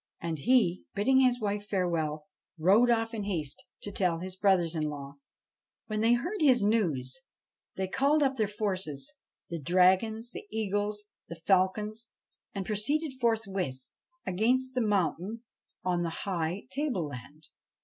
And he, bidding his wife farewell, rode off in haste to tell his brothers in law. When they heard his news they called up their forces the dragons, the eagles, 1x6 BASHTCHELIK the falcons and proceeded forthwith against the mountain on the high tableland.